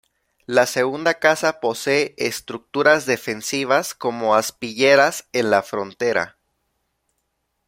La segunda casa posee estructuras defensivas, como aspilleras en la frontera.